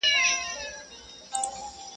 o گمان نه کوم، چي دا وړۍ دي شړۍ سي.